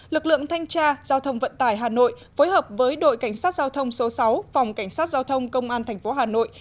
lực lượng thanh tra giao thông vận tải hà nội phối hợp với đội cảnh sát giao thông số sáu phòng cảnh sát giao thông công an tp hà nội